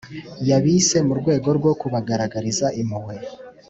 yabise mu rwego rwo kubagaragariza impuhwe